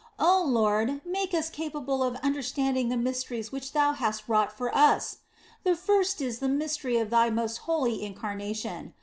Oh Lord, make us capable of understanding the mysteries which Thou hast wrought for us ! The first is the mystery of Thy most holy Incarnation.